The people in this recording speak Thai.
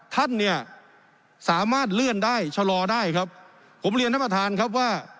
ท่านเนี่ยสามารถเลื่อนได้ชะลอได้ครับผมเรียนท่านประธานครับว่า